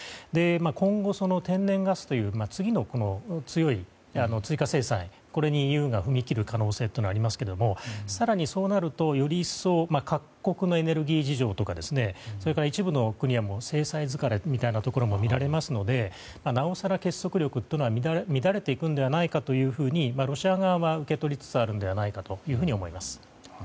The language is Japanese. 今後、天然ガスという次の強い追加制裁これにＥＵが踏み切る可能性というのもありますが更に、そうなると、より一層各国のエネルギー事情とかそれから一部の国は制裁疲れみたいなことも見られますのでなおさら結束力は乱れてくるのではないかとロシア側は受け取りつつあるのではないかと思います。